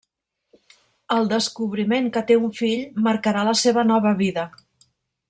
El descobriment que té un fill marcarà la seva nova vida.